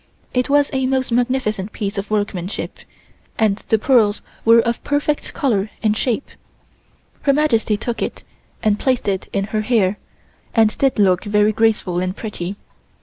It was a most magnificent piece of workmanship and the pearls were of perfect color and shape. Her Majesty took it and placed it in her hair and did look very graceful and pretty.